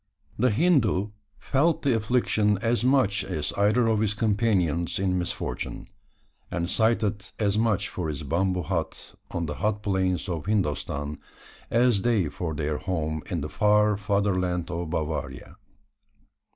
The Hindoo felt the affliction as much as either of his companions in misfortune; and sighed as much for his bamboo hut on the hot plains of Hindostan, as they for their home in the far fatherland of Bavaria.